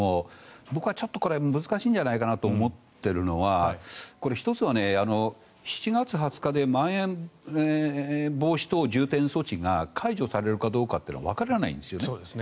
僕はこれちょっと難しいんじゃないかなと思っているのは１つは７月２０日でまん延防止等重点措置が解除されるかどうかというのはわからないんですね。